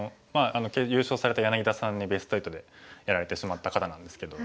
優勝された柳田さんにベスト８でやられてしまった方なんですけど。